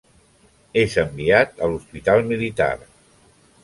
És enviat a l'hospital militar.